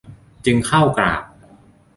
จึงเข้ากราบ